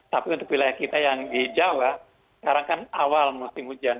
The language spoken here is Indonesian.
tapi untuk wilayah kita yang di jawa sekarang kan awal musim hujan